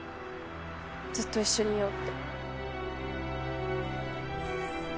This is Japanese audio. ずっと一緒にいようって。